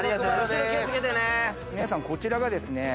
皆さんこちらがですね。